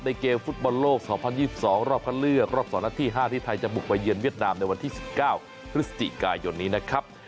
เกมฟุตบอลโลก๒๐๒๒รอบคัดเลือกรอบ๒นัดที่๕ที่ไทยจะบุกไปเยือนเวียดนามในวันที่๑๙พฤศจิกายนนี้นะครับ